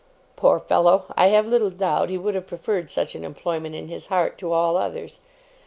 Poor fellow! I have little doubt he would have preferred such an employment in his heart to all others.